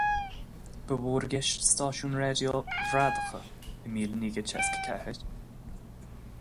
Ba mhór i gceist stáisiúin raidió bhradacha i míle naoi gcéad seasca a ceathair.